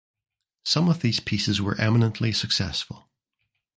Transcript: Some of these pieces were eminently successful.